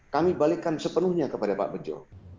kami balikkan sepenuhnya kepada pak bejo